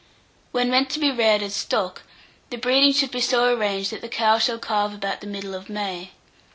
When meant to be reared as stock, the breeding should be so arranged that the cow shall calve about the middle of May.